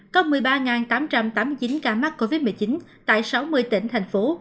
có một mươi ba tám trăm tám mươi chín ca mắc covid một mươi chín tại sáu mươi tỉnh thành phố